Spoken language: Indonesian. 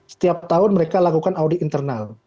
setiap tahun mereka lakukan audit internal